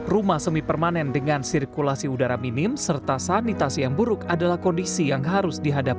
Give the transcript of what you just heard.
rumah semi permanen dengan sirkulasi udara minim serta sanitasi yang buruk adalah kondisi yang harus dihadapi